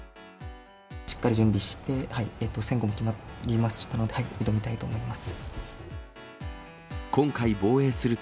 しっかり準備して、先こうも決まりましたので、挑みたいと思います。